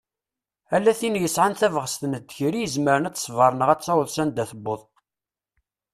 Ala tin yesɛan tabɣest n ddkir i izmren ad tesber neɣ ad taweḍ s anda tewwḍeḍ.